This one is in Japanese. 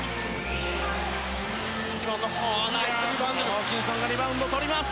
ホーキンソンがリバウンドをとります。